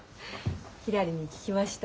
ひらりに聞きました。